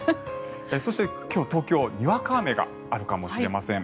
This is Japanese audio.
そして、今日東京にわか雨があるかもしれません。